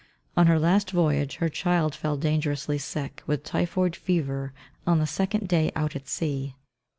On her last voyage her child fell dangerously sick with typhoid fever on the second day out at sea.